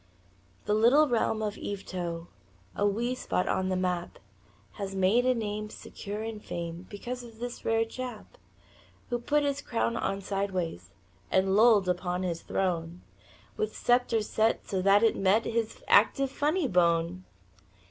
The little realm of Yvetot A wee spot on the map Has made a name secure in fame Because of this rare chap Who put his crown on sidewise And lolled upon his throne With scepter set so that it met His active funny bone.